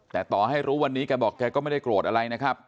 แต่ต่อให้รู้วันนี้แกบอกแกก็ไม่ได้โกรธอะไรนะครับ